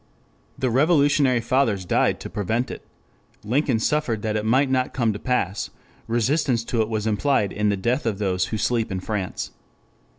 The Revolutionary fathers died to prevent it. Lincoln suffered that it might not come to pass, resistance to it was implied in the death of those who sleep in France.